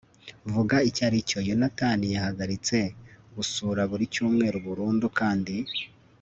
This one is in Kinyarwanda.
vuga icyari cyo, yonatani yahagaritse gusura buri cyumweru burundu kandi